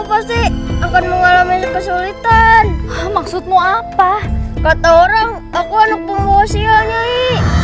pasti akan mengalami kesulitan maksudmu apa kata orang aku anak pengusia nyai